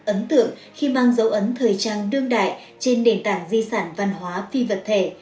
ấn tượng khi mang dấu ấn thời trang đương đại trên nền tảng di sản văn hóa phi vật thể